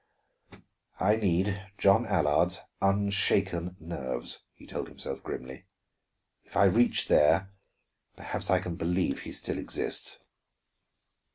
"I need John Allard's unshaken nerves," he told himself grimly. "If I reach there, perhaps I can believe he still exists."